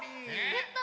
やった！